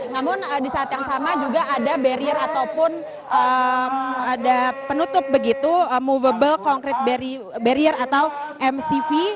namun di saat yang sama juga ada barrier ataupun ada penutup begitu movable concrete barrier atau mcv